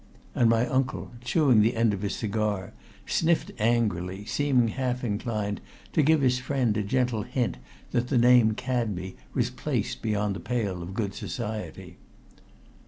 And my uncle, chewing the end of his cigar, sniffed angrily, seeming half inclined to give his friend a gentle hint that the name Cadby was placed beyond the pale of good society.